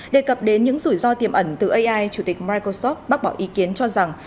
đề cập đến những rủi ro tiềm ẩn từ ai chủ tịch microsoft bác bỏ ý kiến cho rằng